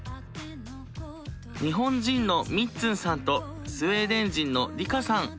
日本人のみっつんさんとスウェーデン人のリカさん。